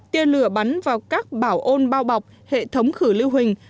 tiên lửa bắn vào các bảo ôn bao bọc hệ thống khử lưu hình